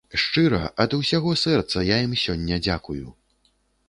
Шчыра, ад усяго сэрца я ім сёння дзякую.